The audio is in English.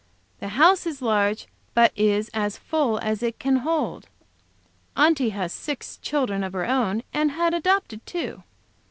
The house is large, but is as full as it can hold. Aunty has six children her own, and has adopted two.